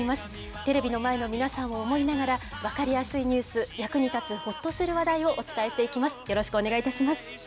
テレビの前の皆さんを思いながら、分かりやすいニュース、役に立つほっとする話題をお伝えしていきます。